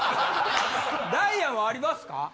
ダイアンはありますか？